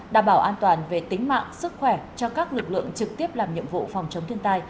đảm bảo an toàn về tính mạng sức khỏe cho các lực lượng trực tiếp làm nhiệm vụ phòng chống thiên tai